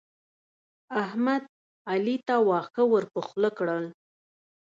احمد؛ علي ته واښه ور پر خوله کړل.